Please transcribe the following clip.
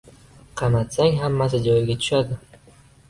qamatsang, hammasi joyiga tushadi.